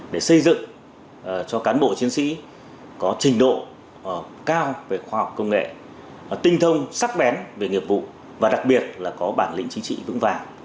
để xây dựng cho cán bộ chiến sĩ có trình độ cao về khoa học công nghệ tinh thông sắc bén về nghiệp vụ và đặc biệt là có bản lĩnh chính trị vững vàng